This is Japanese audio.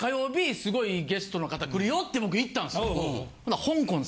すごいゲストの方来るよって僕行ったんすよ。